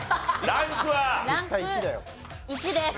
ランク１です。